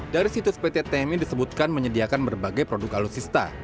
dari situs pt tmi disebutkan menyediakan berbagai produk alutsista